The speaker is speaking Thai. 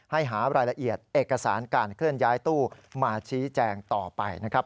หารายละเอียดเอกสารการเคลื่อนย้ายตู้มาชี้แจงต่อไปนะครับ